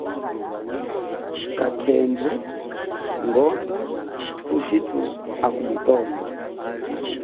Kakhendwe, ngondo thushitu akumitondo.